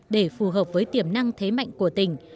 để phù hợp với tiềm năng thế mạnh của tỉnh